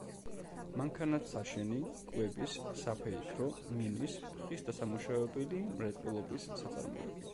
მანქანათსაშენი, კვების, საფეიქრო, მინის, ხის დასამუშავებელი მრეწველობის საწარმოები.